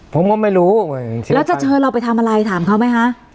ผมก็ไม่รู้แล้วจะเชิญเราไปทำอะไรถามเขาไหมคะ